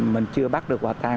mình chưa bắt được hòa tan